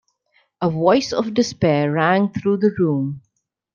A voice of despair rang through the room.